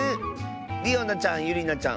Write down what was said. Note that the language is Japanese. りおなちゃんゆりなちゃん